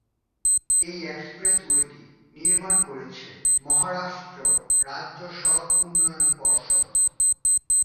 এই এক্সপ্রেসওয়েটি নির্মাণ করেছে মহারাষ্ট্র রাজ্য সড়ক উন্নয়ন পর্ষদ।